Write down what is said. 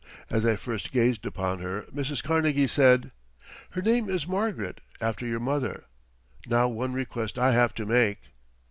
As I first gazed upon her Mrs. Carnegie said, "Her name is Margaret after your mother. Now one request I have to make."